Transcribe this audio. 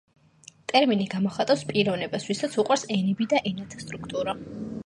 ტერმინი გამოხატავს პიროვნებას ვისაც უყვარს ენები და ენათა სტრუქტურა.